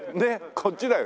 こっちだよね。